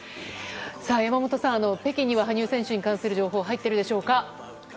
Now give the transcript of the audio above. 山本さん、北京には羽生選手に関する情報は入っているでしょうか。